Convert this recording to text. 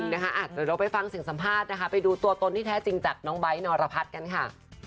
เดี๋ยวเราไปฟังเสียงสัมภาษณ์นะคะไปดูตัวตนที่แท้จริงจากน้องไบท์นรพัฒน์กันค่ะ